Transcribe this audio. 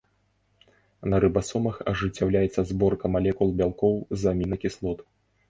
На рыбасомах ажыццяўляецца зборка малекул бялкоў з амінакіслот.